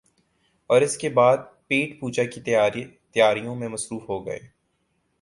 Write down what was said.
اوراس کے بعد پیٹ پوجا کی تیاریوں میں مصروف ہو گئے ۔